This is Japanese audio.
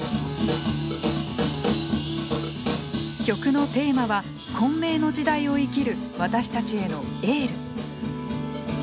曲のテーマは混迷の時代を生きる私たちへのエール。